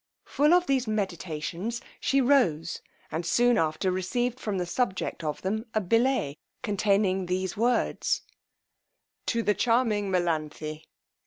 Full of these meditations she rose, and soon after received from the subject of them a billet, containing these words: To the charming MELANTHE.